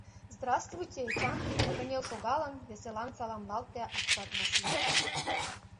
— Здравствуйте, Эчан! — кынел шогалын, веселан саламлалте апшат Васлий.